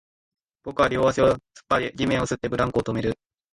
僕は両足を突っ張り、地面を擦って、ブランコを止める